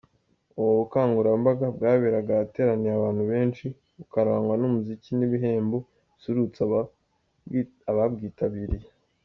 Ubu bukangurambaga bwaberaga ahateraniye abantu benshi, bukarangwa n’umuziki n’ibihembo bisusurutsa ababwitabiriye.